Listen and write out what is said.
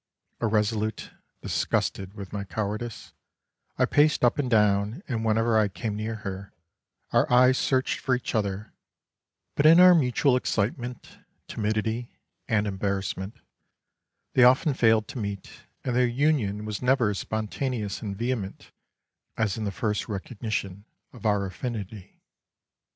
Irresolute, disgusted with my cowardice, I paced up and down and whenever I came near her, our eyes searched for each other, but in our mutual excitement, timidity and embarrassment they often failed to meet and their union was never as spontaneous and vehement as in the first recognition of our affinity.